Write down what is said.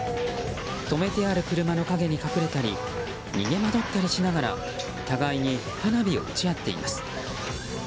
止めてある車の陰に隠れたり逃げ惑ったりしながら互いに花火を撃ち合っています。